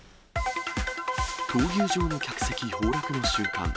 闘牛場の客席、崩落の瞬間。